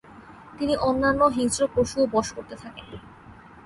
তিনি অন্যান্য হিংস্র পশুও বশ করতে থাকেন।